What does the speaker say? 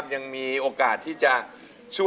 บุ๋มแค่ให้อธิบายที่ผู้ชม